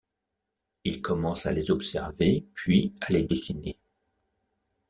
Il commence à les observer, puis à les dessiner.